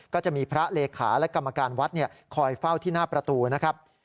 ก็จะมีพระเลขาและกรรมการวัดคอยเฝ้าที่หน้าประตูนะครับ